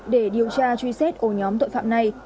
để điều tra truy xét ổ nhóm tội phạm này